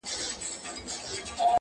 چي پر ما باندي یې سیوری کله لویږي!!